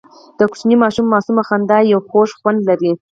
د کوچني ماشوم معصومه خندا یو خوږ خوند لري.